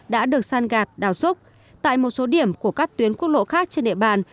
đã được săn gạt đào súc tại một số điểm của các tuyến quốc lộ khác trên địa bàn